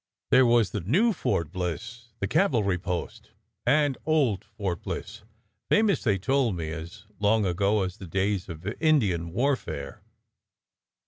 There was new Fort Bliss, the cavalry post, and old Fort Bliss, famous, they told me, as long ago as the days of Indian warfare.